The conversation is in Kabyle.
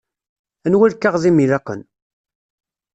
Anwa lkaɣeḍ i m-ilaqen?